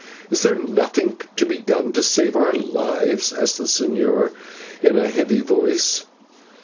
"Is there nothing to be done to save our lives?" asked the señor, in a heavy voice.